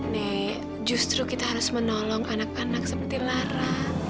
nek justru kita harus menolong anak anak seperti lara